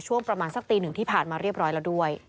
ช่วงประมาณสักตีหนึ่งที่ผ่านมาเรียบร้อยแล้วด้วย